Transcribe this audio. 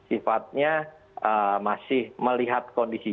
sifatnya masih melihat kondisi